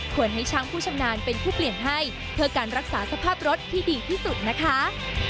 ให้ช่างผู้ชำนาญเป็นผู้เปลี่ยนให้เพื่อการรักษาสภาพรถที่ดีที่สุดนะคะ